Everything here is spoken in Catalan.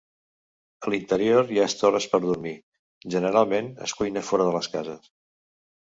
A l’interior hi ha estores per dormir; generalment es cuina fora de les cases.